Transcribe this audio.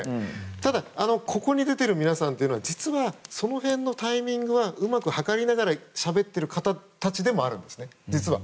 ただ、ここに出ている皆さんは実はその辺のタイミングはうまく図りながらしゃべっている方たちでもあるんですね。